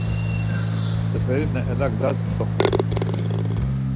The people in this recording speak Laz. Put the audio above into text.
Seferina Elagzas doxun.